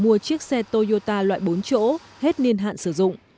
mua chiếc xe toyota loại bốn chỗ hết niên hạn sử dụng